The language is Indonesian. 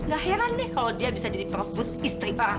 gak heran nih kalau dia bisa jadi perebut istri orang